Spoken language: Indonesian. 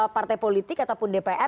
partai politik ataupun dpr